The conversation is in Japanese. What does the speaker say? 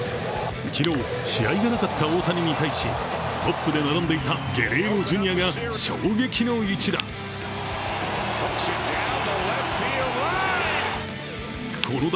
昨日、試合がなかった大谷に対しトップで並んでいたゲレーロジュニアが衝撃の一打。